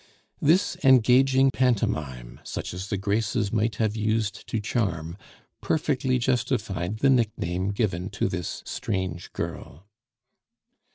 This engaging pantomime, such as the Graces might have used to charm, perfectly justified the nickname given to this strange girl.